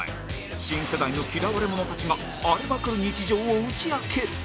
新世代の嫌われ者たちが荒れまくる日常を打ち明ける